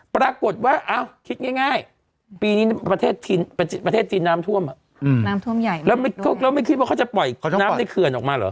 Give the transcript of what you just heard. ปรากฏว่าคิดง่ายปีนี้ประเทศจีนน้ำท่วมใหญ่แล้วไม่คิดว่าเขาจะปล่อยน้ำในเขื่อนออกมาเหรอ